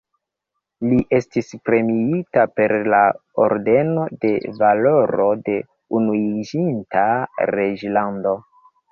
Li estis premiita per la Ordeno de Valoro de Unuiĝinta Reĝlando.